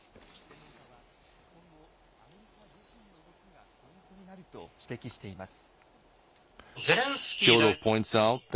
専門家は今後アメリカ自身の動きがポイントになると指摘しています。